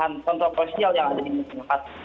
dan juga pemasaran kontroversial yang ada di masyarakat